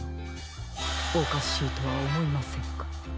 おかしいとはおもいませんか？